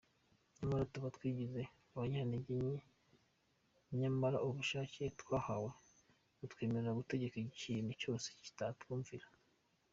Nyamara tuba twigize abanyantege nke nyamara ububasha twahawe butwemerera gutegeka ikintu cyose kikatwumvira.